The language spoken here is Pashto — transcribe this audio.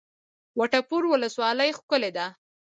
وټه پور ولسوالۍ ښکلې ده؟